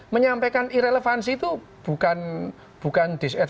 menyampaikan irrelevansi itu bukan